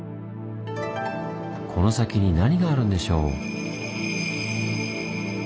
この先に何があるんでしょう？